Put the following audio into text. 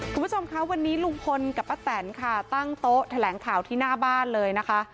คุณผู้ชมคะวันนี้ลุงพลกับป้าแตนค่ะตั้งโต๊ะแถลงข่าวที่หน้าบ้านเลยนะคะ